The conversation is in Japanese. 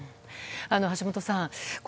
橋本さん